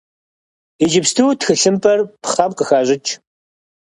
Иджыпсту тхылъымпӏэр пхъэм къыхащӏыкӏ.